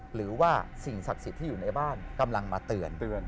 หรือว่าสิ่งศักดิ์สิทธิ์ที่อยู่ในบ้านกำลังมาเตือน